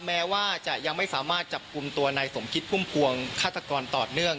แม้ว่าจะยังไม่สามารถจับกลุ่มตัวนายสมคิดพุ่มพวงฆาตกรต่อเนื่อง